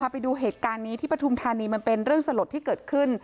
ไปดูเหตุการณ์นี้ที่ปฐุมธานีมันเป็นเรื่องสลดที่เกิดขึ้น